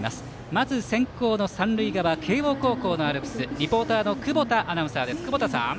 まず先攻の三塁側慶応高校のアルプスリポーターの久保田アナウンサー。